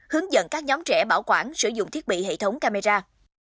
hướng dẫn các nhóm trẻ bảo quản sử dụng thiết bị hệ thống camera